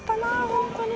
本当に。